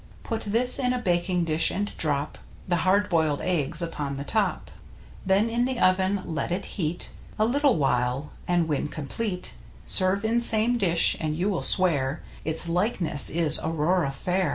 Put this in baking dish and drop The hard boiled eggs upon the top, Then in the oven let it heat A little while, and when complete Serve in same dish, and you will swear Its likeness to Aurora fair.